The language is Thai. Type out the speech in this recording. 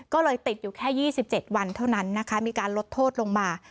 ก็เลยติดอยู่แค่๒๗วันเท่านั้นนะคะมีการลดโทษลงมา